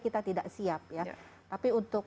kita tidak siap ya tapi untuk